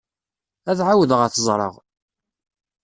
Ad ɛawdeɣ ad t-ẓreɣ.